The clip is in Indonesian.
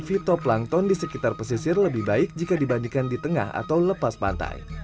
fitop langton di sekitar pesisir lebih baik jika dibandingkan di tengah atau lepas pantai